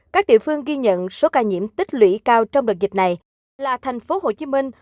các địa phương ghi nhận số ca nhiễm tích lũy cao trong đợt dịch này là thành phố hồ chí minh